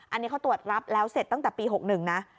อันนี้เขาตรวจรับแล้วเสร็จตั้งแต่ปี๖๑นะ